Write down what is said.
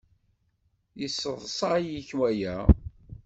Yesseḍsay-ik waya?